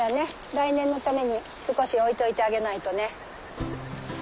来年のために少し置いといてあげないとね。